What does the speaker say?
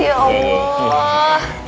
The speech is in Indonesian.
oh ya allah